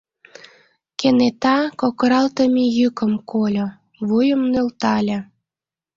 Кенета кокыралтыме йӱкым кольо, вуйым нӧлтале.